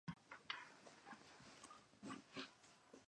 Colclough played college football at Boston College.